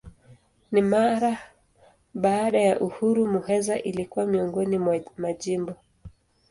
Na mara baada ya uhuru Muheza ilikuwa miongoni mwa majimbo.